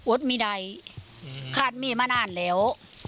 วดมีใดคาดเมียมานานแล้ว